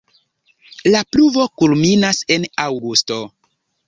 La pluvo kulminas en aŭgusto.